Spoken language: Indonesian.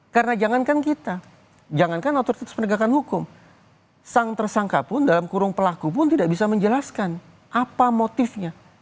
karena jangankan kita jangankan otoritas penegakan hukum sang tersangka pun dalam kurung pelaku pun tidak bisa menjelaskan apa motifnya